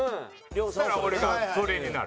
そしたら俺がそれになる。